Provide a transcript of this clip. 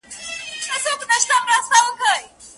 !د عدالت په انتظار